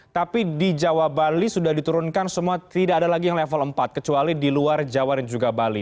tapi di jawa bali sudah diturunkan semua tidak ada lagi yang level empat kecuali di luar jawa dan juga bali